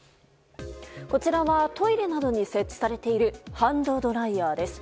こちらはトイレなどに設置されているハンドドライヤーです。